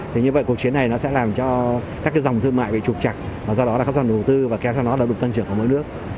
thì như vậy cuộc chiến này nó sẽ làm cho các dòng thương mại bị trục chặt và do đó là các dòng đầu tư và kéo theo nó đẩu đục tăng trưởng của mỗi nước